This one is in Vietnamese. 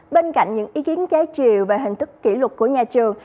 bên cạnh những ý kiến trái triều về hình thức kỷ lục của nhà trường